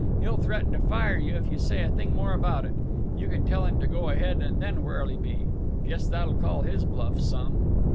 He'll threaten to fire you if you say a thing more about it. You can tell him to go ahead, and then where'll he be? Guess that'll call his bluff some!"